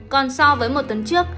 còn so với một tuần trước